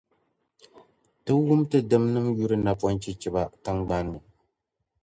Ti wum ti dimnim’ yuri napɔnchichiba Dan tiŋgban’ ni.